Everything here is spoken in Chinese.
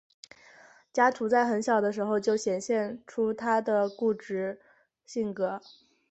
加图在很小的时候就显示出他的固执性格。